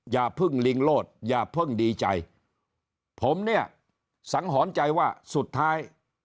อย่าเพิ่งลิงโลดอย่าเพิ่งดีใจผมเนี่ยสังหรณ์ใจว่าสุดท้าย